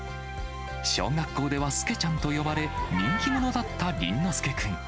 小学校では、すけちゃんと呼ばれ、人気者だった倫之亮君。